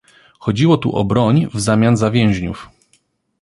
Chodziło tu o broń w zamian za więźniów